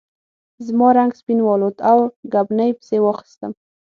زما رنګ سپین والوت او ګبڼۍ پسې واخیستم.